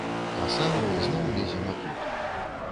А сам ізноў лезе на кут.